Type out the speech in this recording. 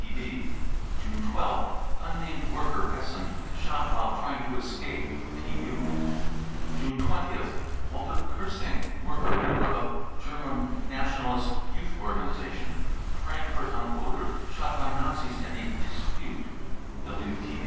{WTB.) me 1 2th. unnamed worker, Essen, shot " while trying to escape." ( TU .) me 20 th. Walter kersing, worker, member of German j Nationalist youth organisation, Frankfurt on Oder, shot by I Nazis in a " dispute."